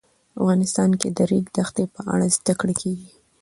افغانستان کې د د ریګ دښتې په اړه زده کړه کېږي.